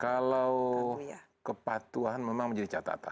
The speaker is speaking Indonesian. kalau kepatuhan memang menjadi catatan